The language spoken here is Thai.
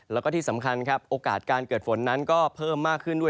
แล้วก็ที่สำคัญครับโอกาสการเกิดฝนนั้นก็เพิ่มมากขึ้นด้วย